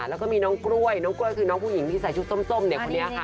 แล้วก็มีน้องกล้วยน้องกล้วยคือน้องผู้หญิงที่ใส่ชุดส้มเนี่ยคนนี้ค่ะ